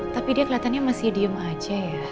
tapi dia kelihatannya masih diem aja ya